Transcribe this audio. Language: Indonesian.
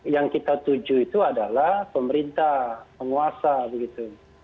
yang kita tuju itu adalah pemerintah penguasa begitu